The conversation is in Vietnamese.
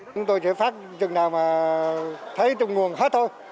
chúng tôi sẽ phát chừng nào mà thấy trong nguồn hết thôi